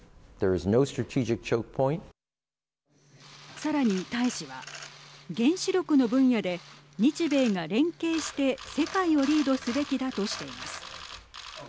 さらに大使は原子力の分野で日米が連携して世界をリードすべきだとしています。